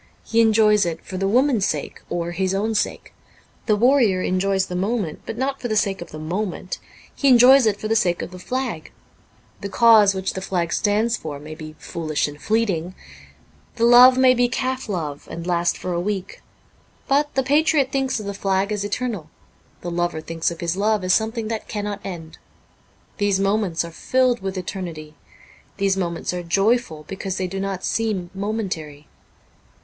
He enjoys it for the woman's sake, or his own sake. The warrior enjoys the moment, but not for the sake of the moment ; he enjoys it for the sake of the flag. The cause which the flag stands for may be foolish and fleeting ; the love may be calf love, and last for a week. But the patriot thinks of the flag as eternal ; the lover thinks of his love as something that cannot end. These moments are filled with eternity ; these moments are joyful because they do not seem momentary.